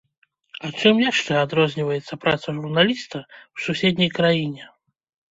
А чым яшчэ адрозніваецца праца журналіста ў суседняй краіне?